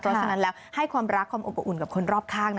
เพราะฉะนั้นแล้วให้ความรักความอบอุ่นกับคนรอบข้างนะ